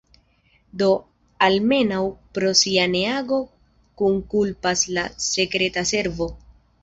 Do, almenaŭ pro sia ne-ago, kunkulpas la sekreta servo.